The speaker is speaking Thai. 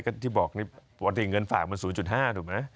ก็ที่บอกนี่ปกติเงินฝากมัน๐๕ถูกไหม